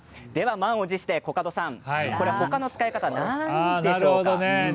満を持してコカドさん他の使い方、何でしょうか？